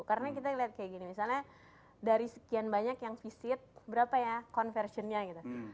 karena kita lihat kayak gini misalnya dari sekian banyak yang visit berapa ya conversion nya gitu